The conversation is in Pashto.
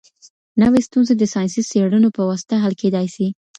نوي ستونزي د ساینسي څېړنو په واسطه حل کيدای سي.